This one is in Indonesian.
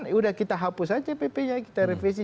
sudah kita hapus aja pp nya kita revisi